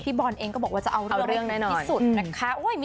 พี่บอลเองก็บอกว่าจะเอาเรื่องอะไรที่ที่สุดนะคะ